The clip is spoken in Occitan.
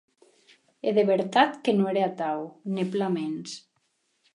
E de vertat que non ère atau, ne plan mens.